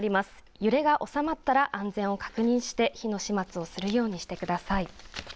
揺れが収まったら安全を確認して火の始末をするようにしてください。